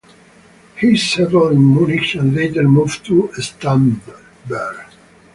He settled in Munich and later moved to Starnberg.